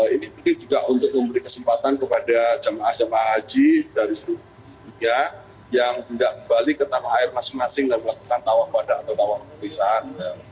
ini juga untuk memberi kesempatan kepada jemaah haji dari seluruh dunia yang tidak kembali ke tawaf air masing masing dan melakukan tawaf pada atau tawaf kebisaan